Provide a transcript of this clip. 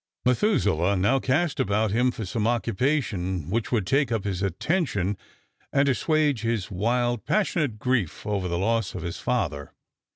Methuselah now cast about him for some occupation which would take up his attention and assuage his wild, passionate grief over the loss of his father.